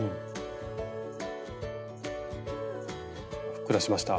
ふっくらしました。